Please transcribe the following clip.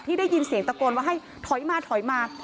ได้ยินเสียงตะโกนว่าให้ถอยมาถอยมา